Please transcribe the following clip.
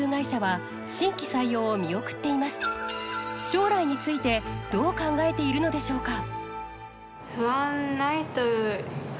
将来についてどう考えているのでしょうか。